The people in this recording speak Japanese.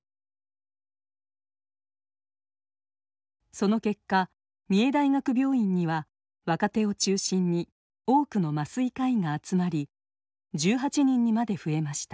その結果三重大学病院には若手を中心に多くの麻酔科医が集まり１８人にまで増えました。